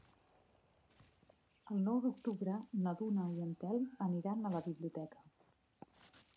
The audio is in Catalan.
El nou d'octubre na Duna i en Telm aniran a la biblioteca.